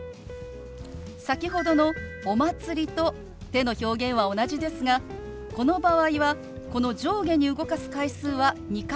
先ほどの「お祭り」と手の表現は同じですがこの場合はこの上下に動かす回数は２回に限りません。